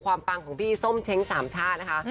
ความปังของพี่ส้มเช้งสามชาตินะคะ